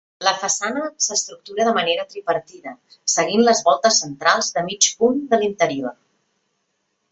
La façana s'estructura de manera tripartida seguint les voltes centrals de mig punt de l'interior.